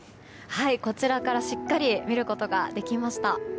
こちらからしっかり見ることができました。